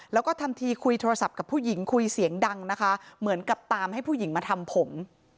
แล้วก็ทำทีคุยโทรศัพท์กับผู้หญิงคุยเสียงดังนะคะเหมือนกับตามให้ผู้หญิงมาทำผม